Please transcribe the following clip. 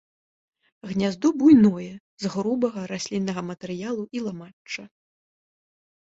Гняздо буйное, з грубага расліннага матэрыялу і ламачча.